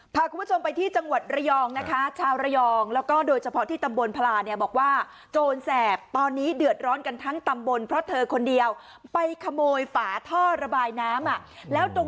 พาคุณผู้ชมไปที่จังหวัดระยองนะคะชาวระยองแล้วก็โดยเฉพาะที่ตำบลพลาเนี่ยบอกว่าโจรแสบตอนนี้เดือดร้อนกันทั้งตำบลเพราะเธอคนเดียวไปขโมยฝาท่อระบายน้ำอ่ะแล้วตรง